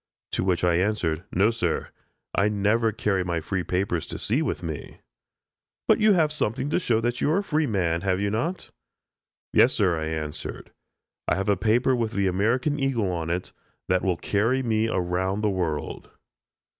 To which I answered: "No, sir; I never carry my free papers to sea with me." "But you have something to show that you are a free man, have you not?" "Yes, sir," I answered; "I have a paper with the American eagle on it, that will carry me around the world."